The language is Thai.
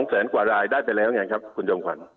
แสนกว่ารายได้ไปแล้วไงครับคุณจอมขวัญ